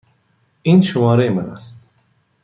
این شماره من است.